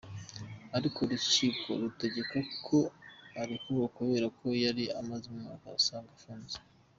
Ariko urukiko rutegeka ko arekurwa kubera ko yari amaze umwaka usaga, afunze.